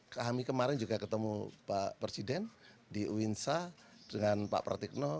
kami kemarin juga ketemu pak presiden di uinsa dengan pak pratikno